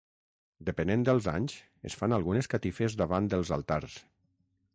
Depenent dels anys es fan algunes catifes davant dels altars.